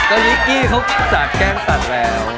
อันนี้กี้เค้าสัดแก้งสัดแล้ว